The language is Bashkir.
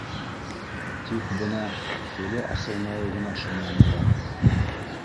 Тик бына теле асылмауы ғына шомландыра.